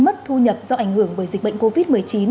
mất thu nhập do ảnh hưởng bởi dịch bệnh covid một mươi chín